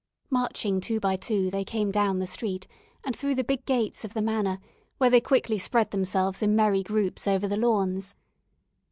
Marching two by two, they came down the street, and through the big gates of the manor, where they quickly spread themselves in merry groups over the lawns.